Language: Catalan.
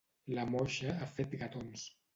La moixa ha fet gatons.